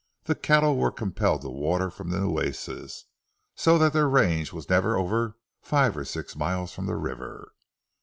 The cattle were compelled to water from the Nueces, so that their range was never over five or six miles from the river.